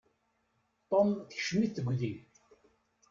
Tom tekcem-it tegdi.